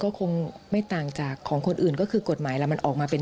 ก็คงไม่ต่างจากของคนอื่นก็คือกฎหมายแล้วมันออกมาเป็น